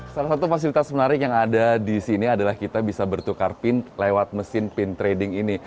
salah satu fasilitas menarik yang ada di sini adalah kita bisa bertukar pin lewat mesin pin trading ini